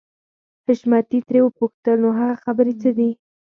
حشمتي ترې وپوښتل نو هغه خبرې څه دي.